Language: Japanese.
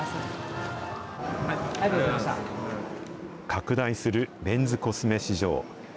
拡大するメンズコスメ市場。